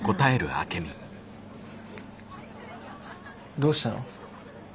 どうしたの？